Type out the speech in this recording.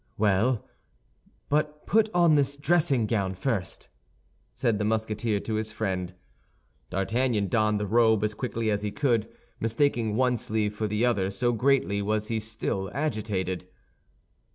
"Well, but put on this dressing gown first," said the Musketeer to his friend. D'Artagnan donned the robe as quickly as he could, mistaking one sleeve for the other, so greatly was he still agitated.